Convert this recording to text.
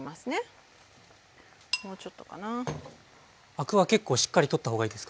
アクは結構しっかり取った方がいいですか？